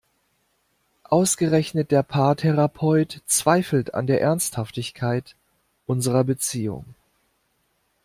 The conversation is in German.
Ausgerechnet der Paartherapeut zweifelt an der Ernsthaftigkeit unserer Beziehung!